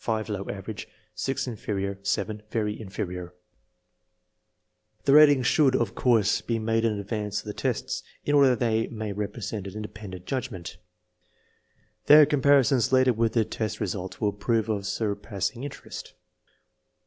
Very inferior 802 INTELLIGENCE OF SCHOOL CHILDREN The ratings should, of course, be made in advance of the tests, in order that they may represent an inde pendent judgment. Their comparison later with the test results will prove of surpassing interest.